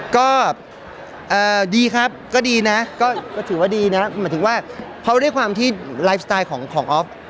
ก็เอ่อดีครับก็ดีน่ะก็ก็ถือว่าดีน่ะเหมือนถึงว่าเพราะว่าด้วยความที่ไลฟ์สไตล์ของของออฟ